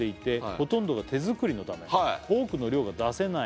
「ほとんどが手作りのため多くの量が出せないので」